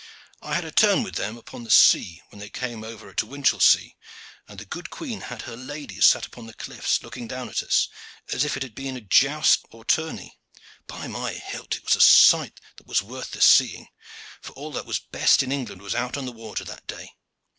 I had a turn with them upon the sea when they came over to Winchelsea and the good queen with her ladies sat upon the cliffs looking down at us, as if it had been joust or tourney. By my hilt! it was a sight that was worth the seeing, for all that was best in England was out on the water that day.